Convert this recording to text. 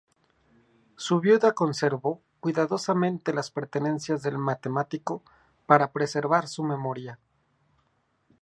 Su viuda conservó cuidadosamente las pertenencias del matemático para preservar su memoria.